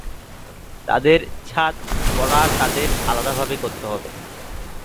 তাদের "ছাদ" পরা তাদের আলাদাভাবে করতে হবে।